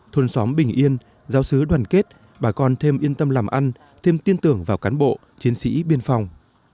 thôn xóm bình yên giáo sứ đoàn kết bà con thêm yên tâm làm ăn thêm tin tưởng vào cán bộ chiến sĩ biên phòng